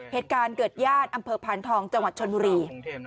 เหตุการณ์เกิดญาติอำเภอพานทองจังหวัดชนบุรี